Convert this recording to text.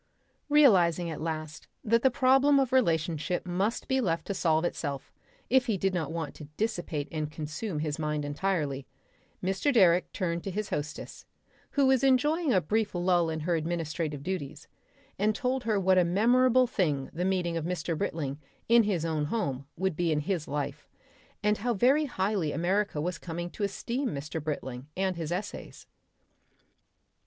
Realising at last that the problem of relationship must be left to solve itself if he did not want to dissipate and consume his mind entirely, Mr. Direck turned to his hostess, who was enjoying a brief lull in her administrative duties, and told her what a memorable thing the meeting of Mr. Britling in his own home would be in his life, and how very highly America was coming to esteem Mr. Britling and his essays.